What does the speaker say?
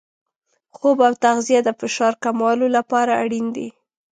خوب او تغذیه د فشار کمولو لپاره اړین دي.